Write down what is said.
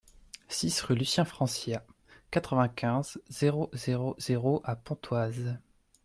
six rue Lucien Francia, quatre-vingt-quinze, zéro zéro zéro à Pontoise